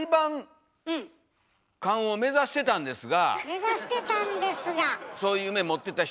目指してたんですが！